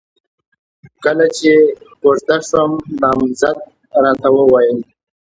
کله چې کوژده شوم، نامزد راته وويل: